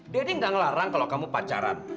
daddy nggak ngelarang kalau kamu pacaran